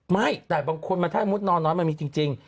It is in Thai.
ไม่แต่บางคนถ้ามุตินอนน้อยมันมีจริง